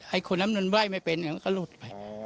ไอ้คนนั้นมันไหว้ไม่เป็นแล้วมันก็หลุดไป